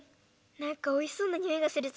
なんかおいしそうなにおいがするぞ。